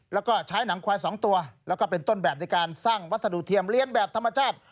แล้วก็ใช้หนังควาย๒ตัวแล้วก็เป็นต้นแบบในการสร้างวัสดุเทียมเลี้ยงแบบธรรมชาติ